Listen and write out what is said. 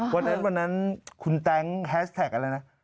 วันนั้นวันนั้นคุณแต๊งแฮสแท็กอะไรนะ